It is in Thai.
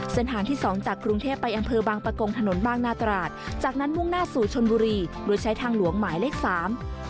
เส้นทางที่สองจากกรุงเทพไปอำเภอบางประกงถนนบางนาตราดจากนั้นมุ่งหน้าสู่ชนบุรีโดยใช้ทางหลวงหมายเลขสาม